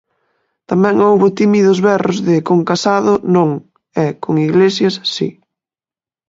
Tamén houbo tímidos berros de "Con Casado, non" e "Con Iglesias, si".